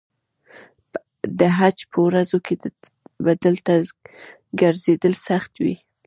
د حج په ورځو کې به دلته ګرځېدل سخت وي.